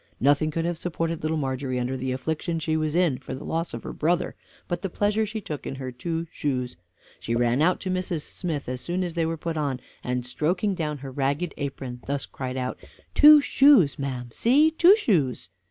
Nothing could have supported Little Margery under the affliction she was in for the loss of her brother, but the pleasure she took in her two shoes. She ran out to Mrs. Smith as soon as they were put on, and stroking down her ragged apron thus cried out, "Two shoes, ma'am, see two shoes."